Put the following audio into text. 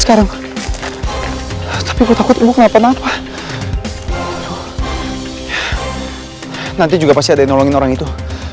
sekarang tapi gue takut mau kenapa kenapa nanti juga pasti ada nolongin orang itu